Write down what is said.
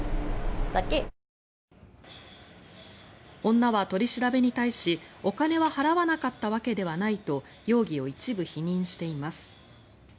女は取り調べに対しお金は払わなかったわけではないと容疑を一部否認しています。